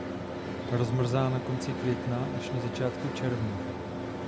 Rozmrzá na konci května až na začátku června.